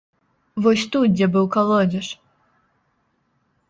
Вось тут, дзе быў калодзеж.